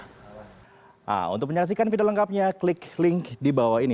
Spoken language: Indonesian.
nah untuk menyaksikan video lengkapnya klik link di bawah ini